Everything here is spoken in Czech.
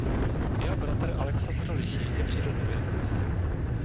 Jeho bratr Alexandr Lichý je přírodovědec.